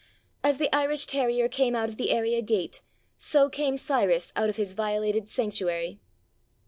As the Irish terrier came out of the area gate, so came Cyrus out of his violated sanctuary.